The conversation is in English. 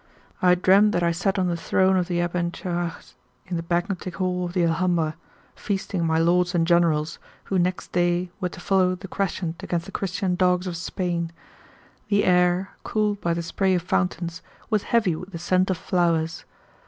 I dreamed that I sat on the throne of the Abencerrages in the banqueting hall of the Alhambra, feasting my lords and generals, who next day were to follow the crescent against the Christian dogs of Spain. The air, cooled by the spray of fountains, was heavy with the scent of flowers.